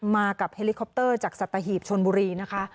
มากับเฮลิคอปเตอร์จากสัตหีบชนบุรีนะคะ